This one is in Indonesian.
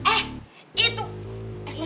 eh itu manis